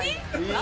何？